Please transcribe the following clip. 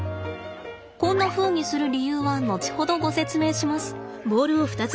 こんなふうにする理由は後ほどご説明します。